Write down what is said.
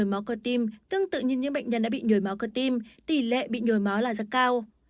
máu cơ tim tương tự như những bệnh nhân đã bị nhồi máu cơ tim tỷ lệ bị nhồi máu là rất cao